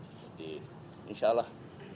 jadi insya allah